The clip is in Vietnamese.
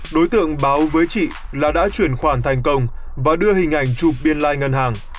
đối tượng báo với chị là đã chuyển khoản thành công và đưa hình ảnh chụp biên lai ngân hàng